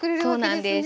そうなんです。